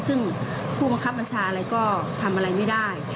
ซึ่งผู้บังคับบัญชาอะไรก็ทำอะไรไม่ได้